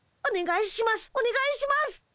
おねがいします！